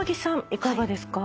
いかがですか？